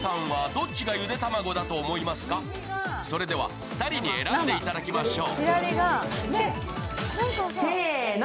それでは２人に選んでいただきましょう。